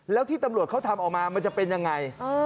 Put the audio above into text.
แล้วที่ตำรวจเขาทำออกมามันจะเป็นยังไง